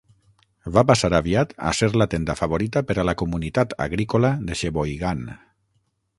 Va passar aviat a ser la tenda favorita per a la comunitat agrícola de Sheboygan.